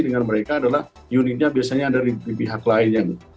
dengan mereka adalah unitnya biasanya ada di pihak lain yang